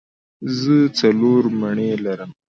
زه څلور مڼې لرم.